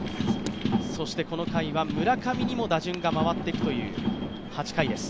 そして、この回には村上にも打順が回っていくという８回です。